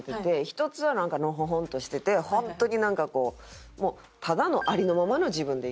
１つはなんかのほほんとしてて本当になんかこうもうただのありのままの自分でいく子。